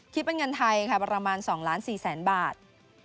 คิดเป็นเงินไทยค่ะประมาณ๒ล้าน๔แสนบาท